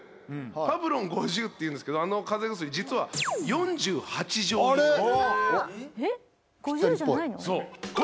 パブロン５０っていうんですけどあの風邪薬実は４８錠入りあれ？